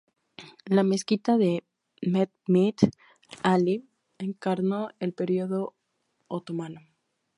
La mezquita de Mehmet Alí encarnó el período otomano.